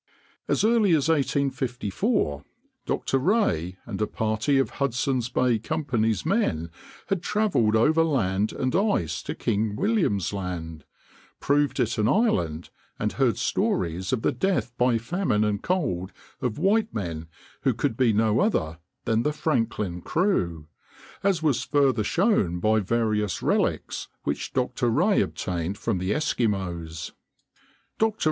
As early as 1854 Dr. Rae and a party of Hudson's Bay Company's men had traveled over land and ice to King William's Land, proved it an island, and heard stories of the death by famine and cold of white men who could be no other than the Franklin crew, as was further shown by various relics which Dr. Rae obtained from the Eskimos. Dr.